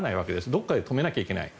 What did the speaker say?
どこかで止めなきゃいけない。